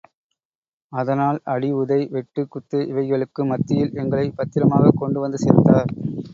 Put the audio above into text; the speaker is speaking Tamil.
அதனால் அடி உதை, வெட்டு, குத்து, இவைகளுக்கு மத்தியில் எங்களைப் பத்திரமாகக் கொண்டு வந்து சேர்த்தார்.